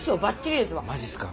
マジっすか？